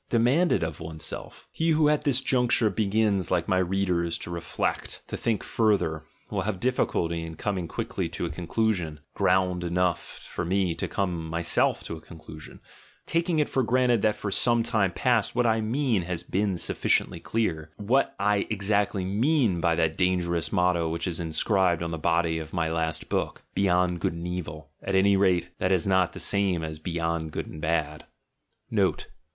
demand it one's self? He who at this juncture begins, like my readers, to reflect, to think further, will have difficulty in coming quickly to a conclusion, — ground enough for me to come myself to a conclusion, taking it for granted that for some time past what I mean has been sufficiently clear, what I exactly mean by that dangerous motto which is inscribed on the body of my last book: Beyond Good and Evil — at any rate that is not the same as "Beyond Good and Bad." "GOOD AND EVIL," "GOOD AND BAD" 39 Note.